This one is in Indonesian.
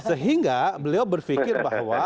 sehingga beliau berpikir bahwa